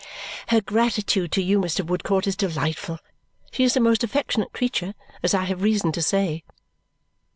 "Her gratitude to you, Mr. Woodcourt, is delightful. She is a most affectionate creature, as I have reason to say."